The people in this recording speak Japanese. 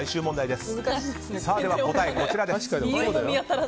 では、答えはこちらです。